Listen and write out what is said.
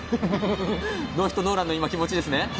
ノーヒットノーランの気持ちですね。